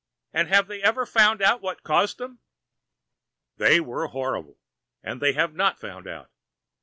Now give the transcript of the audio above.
And have they ever found out what caused them?" "They were horrible, and they have not found out.